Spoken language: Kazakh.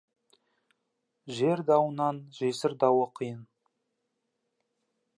Жер дауынан жесір дауы қиын.